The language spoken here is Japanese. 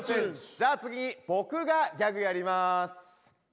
じゃあ次僕がギャグやります。